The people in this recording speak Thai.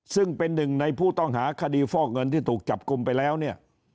ซึ่งเป็นหนึ่งในผู้ต้องหาคดีฟอกเงินที่ถูกจับกลุ่มไปแล้วเนี่ย